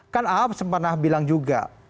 kan a'ab sempat bilang juga